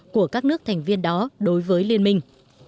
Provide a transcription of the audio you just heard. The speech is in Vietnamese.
của các nước thành viên đó đối với liên minh